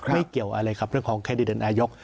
เกี่ยวอะไรกับเรื่องของแคนดิเดตนายก